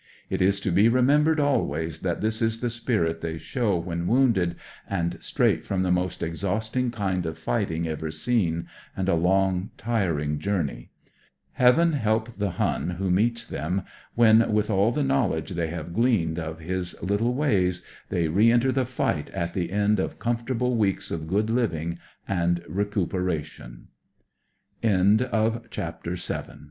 It is to be remembered always that this is the spirit they show when wounded, and straight from the most exhausting kind of fighting ever seen, and a long tiring journey. Heaven help the Hun who meets them when, with aU the knowledge they have gleaned of his little ways, thcjr re enter the fight at the end of comfortable weeks